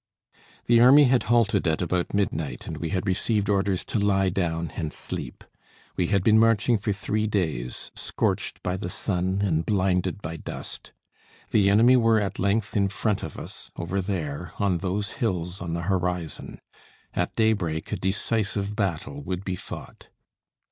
The army had halted at about midnight, and we had received orders to lie down and sleep. We had been marching for three days, scorched by the sun and blinded by dust. The enemy were at length in front of us, over there, on those hills on the horizon. At daybreak a decisive battle would be fought.